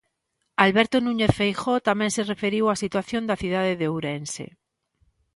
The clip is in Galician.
Alberto Núñez Feijóo tamén se referiu á situación da cidade de Ourense.